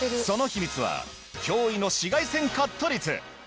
その秘密は驚異の紫外線カット率！